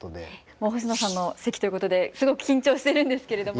もう星野さんの席ということですごく緊張してるんですけれども。